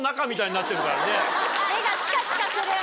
目がチカチカする。